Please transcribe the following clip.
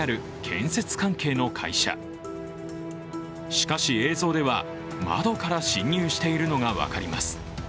しかし、映像では窓から侵入しているのが分かります。